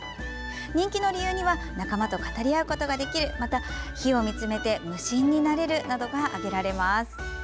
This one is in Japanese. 人気の理由には仲間と語り合うことができる火を見つめて無心になれるなどが挙げられます。